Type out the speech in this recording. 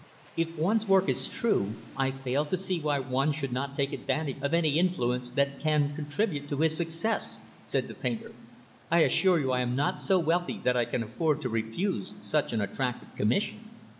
"If one's work is true, I fail to see why one should not take advantage of any influence that can contribute to his success," said the painter. "I assure you I am not so wealthy that I can afford to refuse such an attractive commission.